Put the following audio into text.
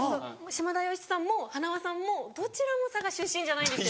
島田洋七さんもはなわさんもどちらも佐賀出身じゃないんです。